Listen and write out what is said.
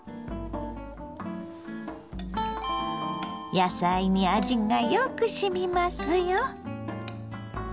野菜に味がよくしみますよ。